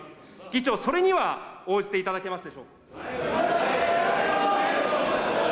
議長、それには応じていただけますでしょうか。